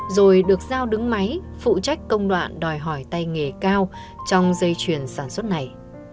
rồi được giao đứng máy phụ trách công đoạn đòi hỏi tay nghề cao trong dây chuyền sản xuất này